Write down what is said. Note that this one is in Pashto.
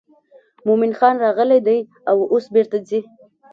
مومن خان راغلی دی او اوس بیرته ځي.